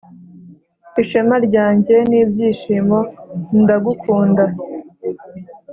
ishema ryanjye n'ibyishimo, ndagukunda